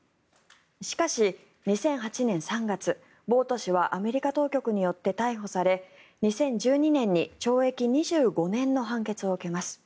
しかし、２００８年３月ボウト氏はアメリカ当局によって逮捕され２０１２年に懲役２５年の判決を受けます。